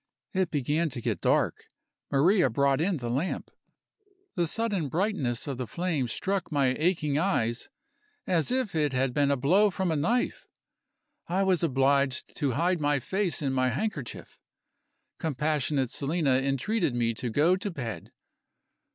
It began to get dark; Maria brought in the lamp. The sudden brightness of the flame struck my aching eyes, as if it had been a blow from a knife. I was obliged to hide my face in my handkerchief. Compassionate Selina entreated me to go to bed.